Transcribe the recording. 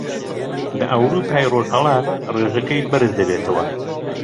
لە ئەورووپای ڕۆژهەڵات ڕێژەکەی بەرز دەبێتەوە